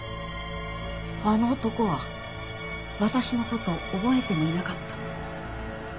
あの男は私の事覚えてもいなかった。